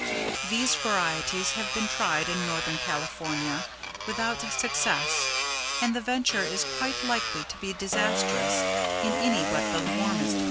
These varieties have been tried in Northern California without success, and the venture is quite likely to be disastrous in any but the warmest climates.